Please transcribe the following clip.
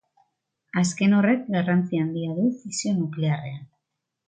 Azken horrek garrantzi handia du fisio nuklearrean.